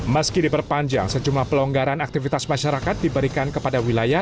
meski diperpanjang sejumlah pelonggaran aktivitas masyarakat diberikan kepada wilayah